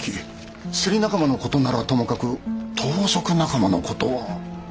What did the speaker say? すり仲間の事ならともかく盗賊仲間の事は。